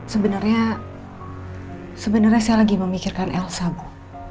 sebenarnya sebenarnya saya lagi memikirkan elsa bu